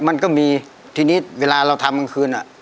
มันก็มีทีนี้เวลาเราทำกลางคืนอ่ะ